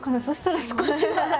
そしたら少しは。